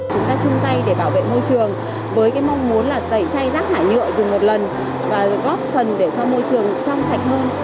chúng ta chung tay để bảo vệ môi trường với mong muốn là tẩy chay rác thải nhựa dùng một lần và góp phần để cho môi trường trong sạch hơn